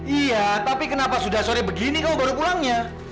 iya tapi kenapa sudah sore begini kau baru pulangnya